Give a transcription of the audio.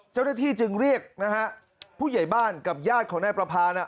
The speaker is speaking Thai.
เจ้าหน้าที่จึงเรียกนะฮะผู้ใหญ่บ้านกับญาติของนายประพาน่ะ